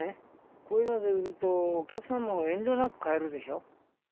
こういうので売ると、お客さんも遠慮なく買えるでしょ。